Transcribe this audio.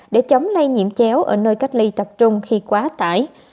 để chống lây nhiễm chéo ở nơi cách ly tập trung khi quá tải